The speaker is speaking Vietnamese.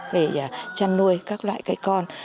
về chăn nuôi các loại cây con